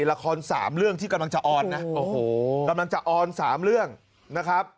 ละครสามเรื่องที่กำลังจะออนนะโอ้โหกำลังจะออน๓เรื่องนะครับ